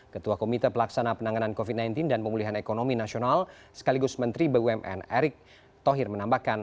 ketua komite pelaksana penanganan covid sembilan belas dan pemulihan ekonomi nasional sekaligus menteri bumn erick thohir menambahkan